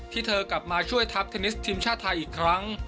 เธอกลับมาช่วยทัพเทนนิสทีมชาติไทยอีกครั้ง